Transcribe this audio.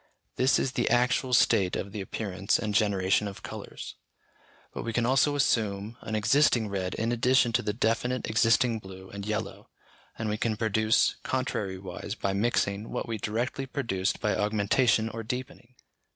This is the actual state of the appearance and generation of colours. But we can also assume an existing red in addition to the definite existing blue and yellow, and we can produce contrariwise, by mixing, what we directly produced by augmentation or deepening.